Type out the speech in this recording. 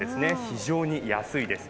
非常に安いです。